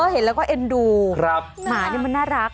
เห็นไหม